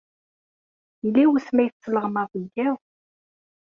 Yella wasmi ay tesleɣmaḍ deg yiḍ?